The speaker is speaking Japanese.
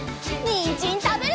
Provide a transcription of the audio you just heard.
にんじんたべるよ！